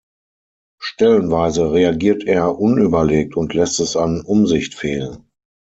Stellenweise reagiert er unüberlegt und lässt es an Umsicht fehlen.